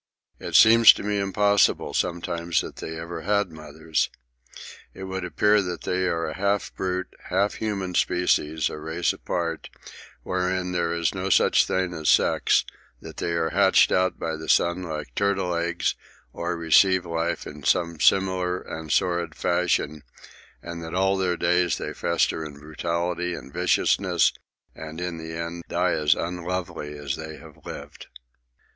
It seems to me impossible sometimes that they ever had mothers. It would appear that they are a half brute, half human species, a race apart, wherein there is no such thing as sex; that they are hatched out by the sun like turtle eggs, or receive life in some similar and sordid fashion; and that all their days they fester in brutality and viciousness, and in the end die as unlovely as they have lived.